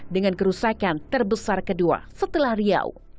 dengan kerusakan terbesar kedua setelah riau